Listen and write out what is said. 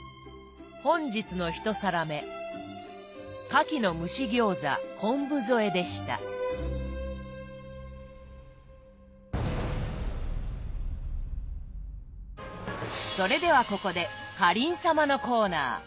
本日の１皿目それではここでかりん様のコーナー。